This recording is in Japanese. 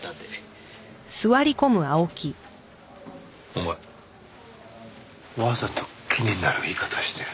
お前わざと気になる言い方してるね。